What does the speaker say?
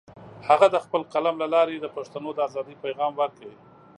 هغه د خپل قلم له لارې د پښتنو د ازادۍ پیغام ورکړ.